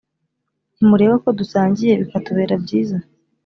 Ntimureba ko dusangiye bikatubera byiza